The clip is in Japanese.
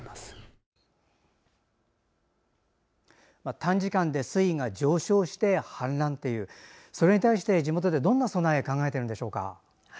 短時間で水位が上昇して氾濫というそれに対して、地元でどんな備え考えているんでしょうか？